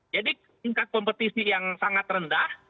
jadi tingkat kompetisi yang sangat rendah